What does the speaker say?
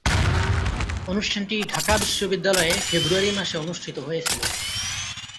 অনুষ্ঠানটি ঢাকা বিশ্ববিদ্যালয়ে ফেব্রুয়ারি মাসে অনুষ্ঠিত হয়েছিলো।